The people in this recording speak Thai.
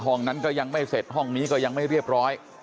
ห้องนั้นก็ยังไม่เสร็จห้องนี้ก็ยังไม่เรียบร้อย